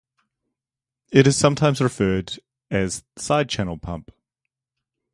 It is sometimes referred as side channel pump.